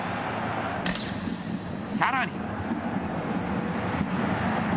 さらに。